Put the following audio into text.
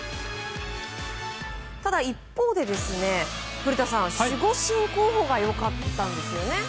一方で、古田さん守護神候補が良かったですね。